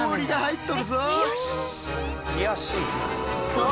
そう！